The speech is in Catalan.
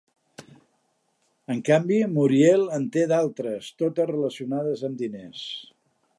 En canvi Muriel en té d'altres, totes relacionades amb diners.